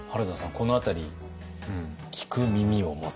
この辺り「聞く耳を持つ」。